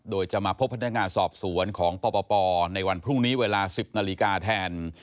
โดยจะมาพบพนักงานสอบสวนของปปในวันพรุ่งนี้เวลา๑๐นาฬิกาแทน